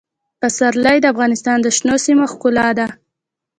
پسرلی د افغانستان د شنو سیمو ښکلا ده.